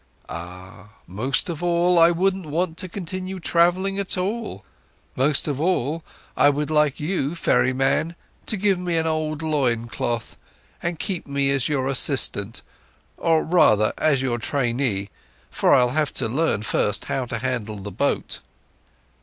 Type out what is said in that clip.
"Ah, most of all I wouldn't want to continue travelling at all. Most of all I would rather you, ferryman, gave me an old loincloth and kept me with you as your assistant, or rather as your trainee, for I'll have to learn first how to handle the boat."